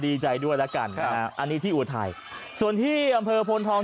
ดีใจด้วยแล้วกันนะฮะอันนี้ที่อุทัยส่วนที่อำเภอโพนทอง